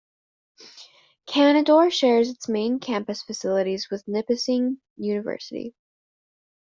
Canadore shares its main campus facilities with Nipissing University.